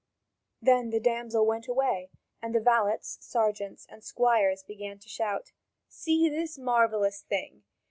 Then the damsel went away, and the valets, sergeants, and squires begin to shout: "See this marvellous thing!